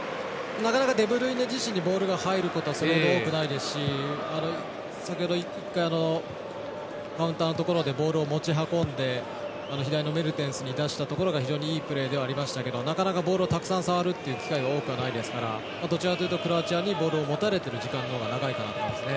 なかなかデブルイネ自身にボールが入ることはそれほど多くないですし先ほど一回カウンターのところでボールを持ち運んで左のメルテンスに出したところが非常にいいプレーではありましたけどなかなかボールをたくさん触るっていう機会は多くはないですからどちらかというとクロアチアにボールを持たれてる時間のほうが長いと思いますね。